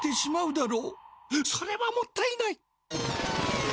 それはもったいない！